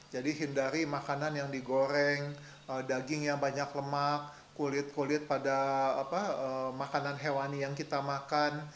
jadi hindari makanan yang digoreng daging yang banyak lemak kulit kulit pada makanan hewani yang kita makan